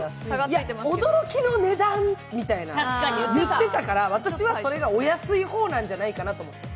いや、驚きの値段みたいに言ってたから、私はそれがお安い方なんじゃないかなと。